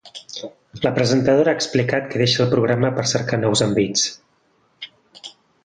La presentadora ha explicat que deixa el programa per cercar nous envits.